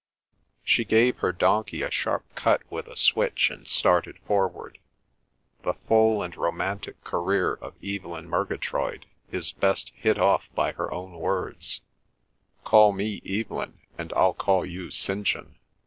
She gave her donkey a sharp cut with a switch and started forward. The full and romantic career of Evelyn Murgatroyd is best hit off by her own words, "Call me Evelyn and I'll call you St. John."